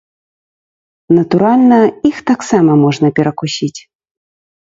Натуральна, іх таксама можна перакусіць.